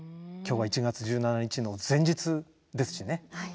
今日は１月１７日の前日ですしね。